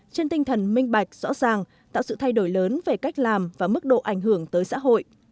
trên tinh thần minh bạch rõ ràng tạo sự thay đổi lớn về cách làm và mức độ ảnh hưởng tới xã hội